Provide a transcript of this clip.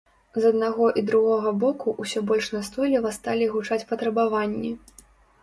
З аднаго і з другога боку ўсё больш настойліва сталі гучаць патрабаванні.